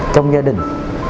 trong gia đình